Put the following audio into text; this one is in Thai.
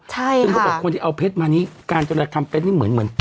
ซึ่งเขาบอกคนที่เอาเพชรมานี้การจรกรรมเพชรนี่เหมือน